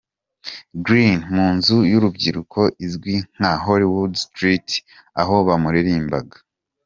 Green mu nzu yurubyiniro izwi nka Hollywood's Theatre aho bamuririmbiraga.